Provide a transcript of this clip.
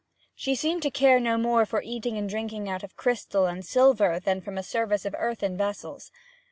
She seemed to care no more for eating and drinking out of crystal and silver than from a service of earthen vessels.